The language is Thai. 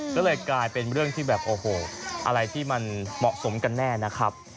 ก็เลยกลายเป็นเรื่องที่แบบโอ้โหอะไรที่มันเหมาะสมกันแน่นะครับ